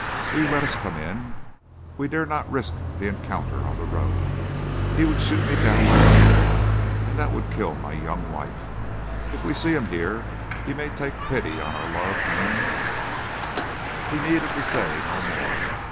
Will you let us come in? We dare not risk the encounter on the road; he would shoot me down like a dog, and that would kill my young wife. If we see him here, he may take pity on our love, and ' "He needed to say no more.